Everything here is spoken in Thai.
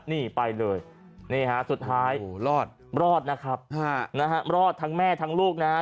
นี่ไปเลยนี่ฮะสุดท้ายรอดรอดนะครับฮะนะฮะรอดทั้งแม่ทั้งลูกนะฮะ